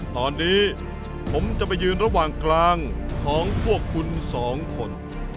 ตอนนี้ผมจะไปยืนระหว่างกลางของพวกคุณสองคน